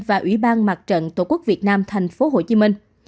và ủy ban mặt trận tổ quốc việt nam thành phố hồ chí minh